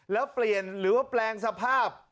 แล้วเปลี่ยนหรือว่าแปลงสภาพ